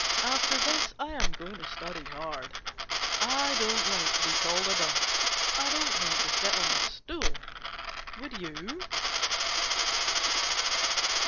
After this I am going to study hard. I don't like to be called a dunce. I don't like to sit on a stool. Would you?